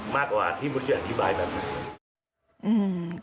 มากกว่าที่มุดจะอธิบายแบบนั้น